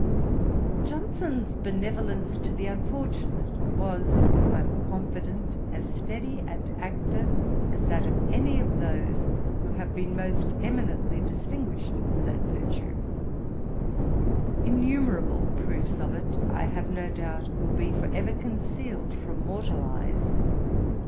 Johnson's benevolence to the unfortunate was, I am confident, as steady and active as that of any of those who have been most eminently distinguished for that virtue. Innumerable proofs of it I have no doubt will be for ever concealed from mortal eyes.